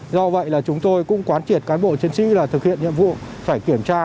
do vậy là chúng tôi cũng quán triệt cán bộ chiến sĩ là thực hiện nhiệm vụ phải kiểm tra